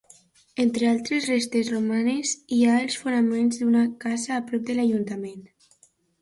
Entre altres restes romanes hi ha els fonaments d'una casa a prop de l'ajuntament.